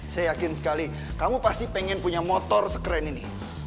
saya yakin sekali kamu pasti pengen punya motor sekeren ini